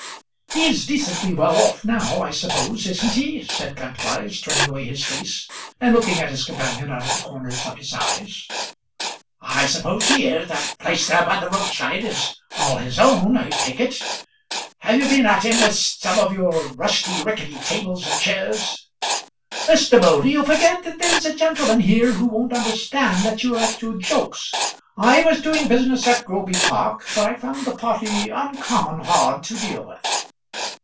"He's decently well off now, I suppose, isn't he?" said Kantwise, turning away his face, and looking at his companion out of the corners of his eyes. "I suppose he is. That place there by the road side is all his own, I take it. Have you been at him with some of your rusty, rickety tables and chairs?" "Mr. Moulder, you forget that there is a gentleman here who won't understand that you're at your jokes. I was doing business at Groby Park, but I found the party uncommon hard to deal with."